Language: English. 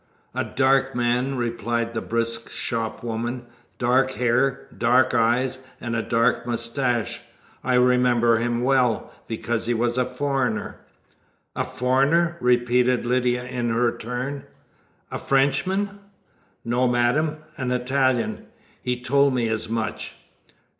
"A dark man," replied the brisk shopwoman, "dark hair, dark eyes, and a dark moustache. I remember him well, because he was a foreigner." "A foreigner?" repeated Lydia in her turn. "A Frenchman?" "No, madam an Italian. He told me as much."